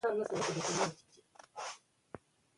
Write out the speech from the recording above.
د ملالۍ کورنۍ لا هم پاتې ده.